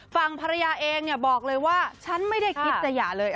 ฝั่งภรรยาเองบอกเลยว่าฉันไม่ได้คิดจะหย่าเลย